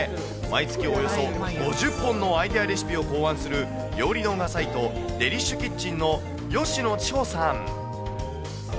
毎月およそ５０本のアイデアレシピを考案する料理動画サイト、デリッシュキッチンの吉野千穂さん。